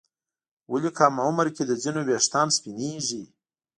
ولې کم عمر کې د ځینو ويښتان سپینېږي؟